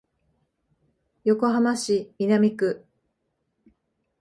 横浜市南区